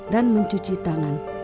dan mencuci tangan